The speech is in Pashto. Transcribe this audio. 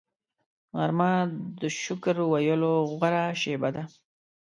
غرمه د شکر ویلو غوره شیبه ده